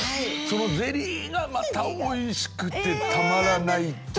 そのゼリーがまたおいしくてたまらないっていうので。